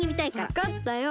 わかったよ。